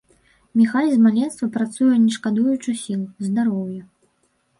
Міхась з маленства працуе не шкадуючы сіл, здароўя.